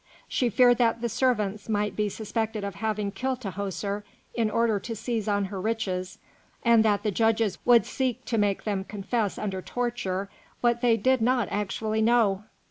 She feared that the servants might be suspected of having killed Tahoser in order to seize on her riches, and that the judges would seek to make them confess under torture what they did not actually know.